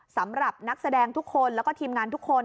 สำหรับนักแสดงทุกคนแล้วก็ทีมงานทุกคน